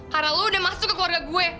karena lu udah masuk ke keluarga gue